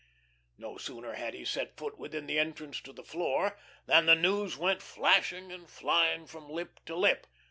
No sooner had he set foot within the entrance to the Floor, than the news went flashing and flying from lip to lip.